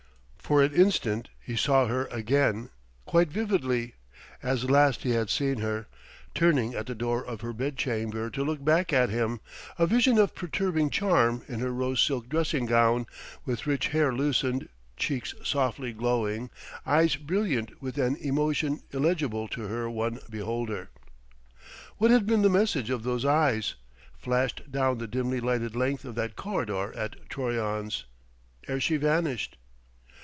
For an instant he saw her again, quite vividly, as last he had seen her: turning at the door of her bed chamber to look back at him, a vision of perturbing charm in her rose silk dressing gown, with rich hair loosened, cheeks softly glowing, eyes brilliant with an emotion illegible to her one beholder.... What had been the message of those eyes, flashed down the dimly lighted length of that corridor at Troyon's, ere she vanished?